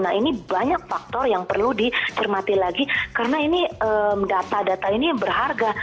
nah ini banyak faktor yang perlu dicermati lagi karena ini data data ini yang berharga